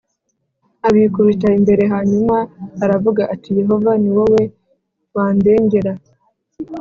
abikubita imbere Hanyuma aravuga ati Yehova ni wowe wandengera